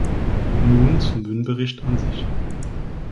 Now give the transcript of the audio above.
Nun zum Wynn-Bericht an sich.